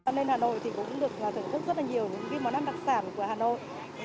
nên hà nội thì cũng được thưởng thức rất là nhiều những món ăn đặc sản của hà nội